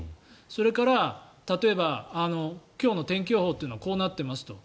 それから例えば今日の天気予報はこうなっていますと。